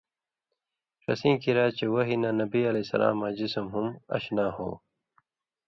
ݜسیں کِریا چے وحی نہ نبی علیہ السلاماں جسم ھُم اَشنا ہو۔